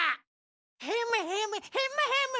ヘムヘムヘムヘム。